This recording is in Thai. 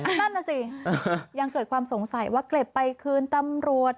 นั่นน่ะสิยังเกิดความสงสัยว่าเก็บไปคืนตำรวจ